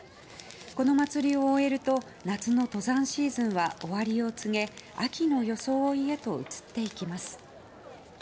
この祭りを終えると夏の登山シーズンは終わりを告げ秋の装いへと移っていきます。